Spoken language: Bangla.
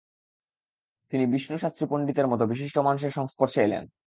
তিনি বিষ্ণু শাস্ত্রী পন্ডিতের মতো বিশিষ্ট মানুষের সংস্পর্শে এলেন।